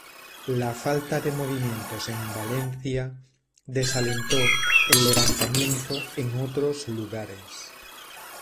La falta de movimientos en Valencia desalentó el levantamiento en otros lugares.